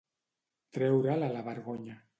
Treure'l a la vergonya